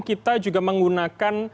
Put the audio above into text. kita juga menggunakan